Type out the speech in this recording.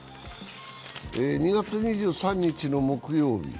２月２３日の木曜日。